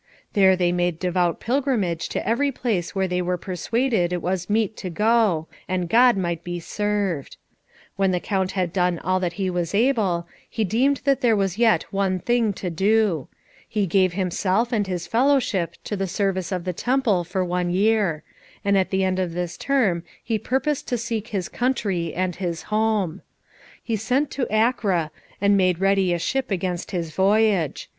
There they made devout pilgrimage to every place where they were persuaded it was meet to go, and God might be served. When the Count had done all that he was able, he deemed that there was yet one thing to do. He gave himself and his fellowship to the service of the Temple for one year; and at the end of this term he purposed to seek his country and his home. He sent to Acre, and made ready a ship against his voyage.